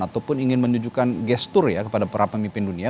ataupun ingin menunjukkan gestur ya kepada para pemimpin dunia